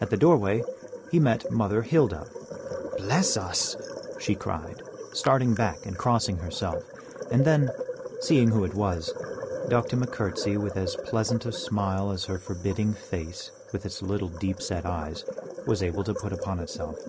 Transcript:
At the doorway he met Mother Hilda. "Bless us," she cried, starting back and crossing herself, and then, seeing who it was, ducked him a courtesy with as pleasant a smile as her forbidding face, with its little deep set eyes, was able to put upon itself.